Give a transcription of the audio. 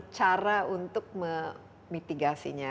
cara untuk memitigasinya